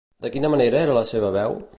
De quina manera era la seva veu?